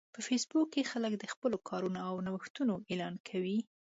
په فېسبوک کې خلک د خپلو کارونو او نوښتونو اعلان کوي